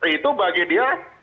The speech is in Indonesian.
itu bagi dia